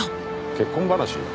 結婚話？